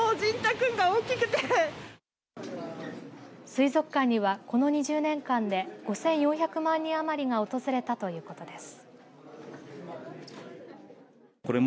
水族館には、この２０年間で５４００万人余りが訪れたということです。